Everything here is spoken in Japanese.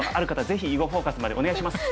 ぜひ「囲碁フォーカス」までお願いします！